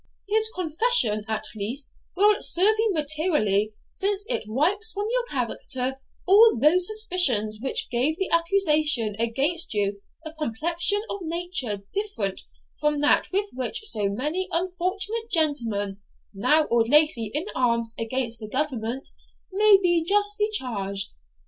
'His confession, at least, will serve you materially, since it wipes from your character all those suspicions which gave the accusation against you a complexion of a nature different from that with which so many unfortunate gentlemen, now or lately in arms against the government, may be justly charged.